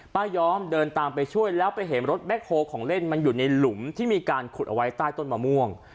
ยอมเดินตามไปช่วยแล้วไปเห็นรถแบ็คโฮของเล่นมันอยู่ในหลุมที่มีการขุดเอาไว้ใต้ต้นมะม่วง